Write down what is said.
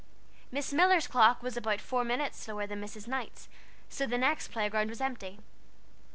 Miss Miller's clock was about four minutes slower than Mrs. Knight's, so the next playground was empty.